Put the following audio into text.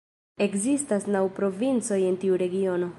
Ekzistas naŭ provincoj en tiu regiono.